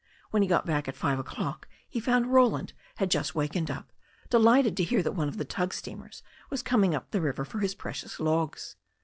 When he got back at five o'clock he found Roland had just waked up, delighted to hear that one of the tug steamers was coming up the river for his precious logs.